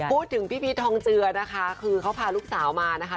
พี่พีชทองเจือนะคะคือเขาพาลูกสาวมานะคะ